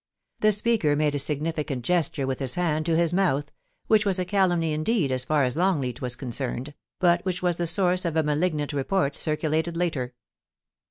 * The speaker made a significant gesture with his hand to his mouth, which was a calumny indeed as far as Longleat was concerned, but which was the source of a malignant report circulated later.